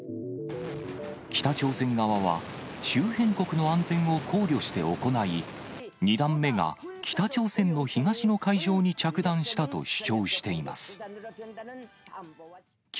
北朝鮮側は、周辺国の安全を考慮して行い、２段目が北朝鮮の東の海上に着弾したと主張しています。